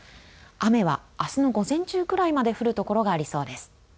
雨はあすの午前中ぐらいまで降る所がありそうです。